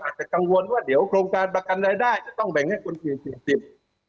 อาจจะกังวลว่าเดี๋ยวโครงการประกันรายได้จะต้องแบ่งให้คนอื่นสี่สิบ